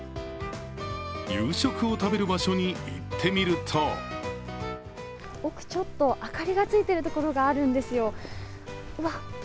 夕食を食べる場所に行ってみると奥、ちょっと明かりがついてるところがあるんですよ。